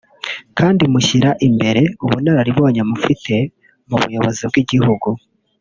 kandi mushyira imbere ubunararibonye mufite mu buyobozi bw’igihughu